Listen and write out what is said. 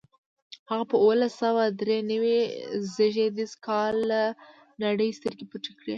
هغه په اوولس سوه درې نوي زېږدیز کال له نړۍ سترګې پټې کړې.